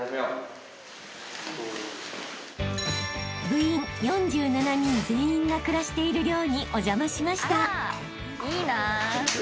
［部員４７人全員が暮らしている寮にお邪魔しました］